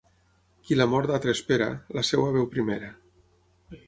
Qui la mort d'altre espera, la seva veu primera.